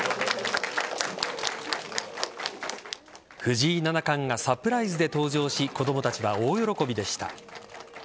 藤井七冠がサプライズで登場し子供たちは大喜びでした。